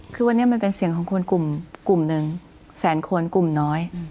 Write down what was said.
คือวันนี้มันเป็นเสียงของคนกลุ่มหนึ่งแสนคนกลุ่มน้อย